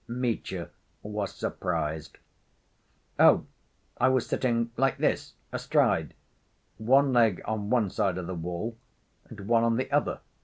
Mitya was surprised. "Oh, I was sitting like this, astride, one leg on one side of the wall and one on the other."